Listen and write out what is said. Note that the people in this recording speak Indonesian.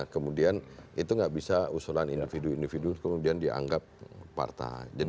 kemudian itu nggak bisa usulan individu individu kemudian dianggap partai